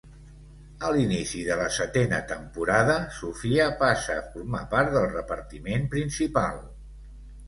A l'inici de la setena temporada, Sofia passa a formar part del repartiment principal.